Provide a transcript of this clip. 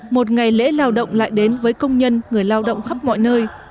một ngày lễ lao động lại đến với công nhân người lao động khắp mọi nơi